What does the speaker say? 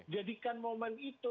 jadikan momen itu